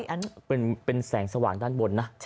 อยู่บนสี่อันนี้เป็นเป็นแสงสว่างด้านบนน่ะใช่